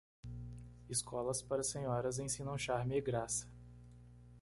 Escolas para senhoras ensinam charme e graça.